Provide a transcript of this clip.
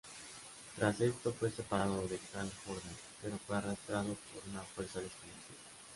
Tras esto fue separado de Hal Jordan.pero fue arrastrado por una fuerza desconocida.